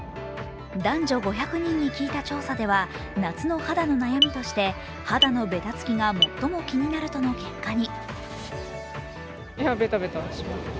男女５００人に聞いた調査では夏の肌の悩みとして肌のベタつきが最も気になるとの結果に。